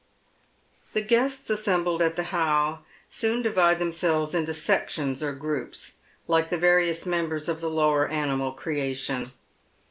The gnests assembled at the How soon divide themselves into BcctioQS or groups, like the various members of the lower animal creation.